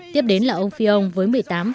tiếp đến là ông fillon với một mươi tám năm